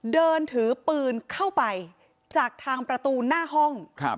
เดินถือปืนเข้าไปจากทางประตูหน้าห้อง